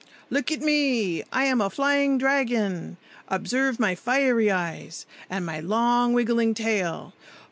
Look at me! I am a flying dragon! Observe my fiery eyes, and my long wiggling tail!